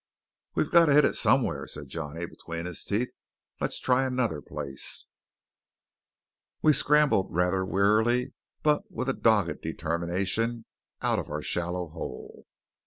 "We've got to hit it somewhere," said Johnny between his teeth. "Let's try another place." We scrambled rather wearily, but with a dogged determination, out of our shallow hole.